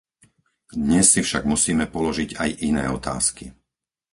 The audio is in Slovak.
Dnes si však musíme položiť aj iné otázky.